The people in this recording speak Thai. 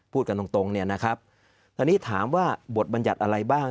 พูดกันตรงตรงเนี่ยนะครับคราวนี้ถามว่าบทบัญญัติอะไรบ้าง